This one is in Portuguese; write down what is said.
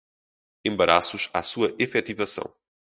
embaraços à sua efetivação